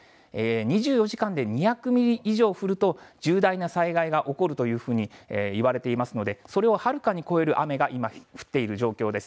２４時間で２００ミリ以上降ると、重大な災害が起こるというふうに言われていますので、それをはるかに超える雨が今、降っている状況です。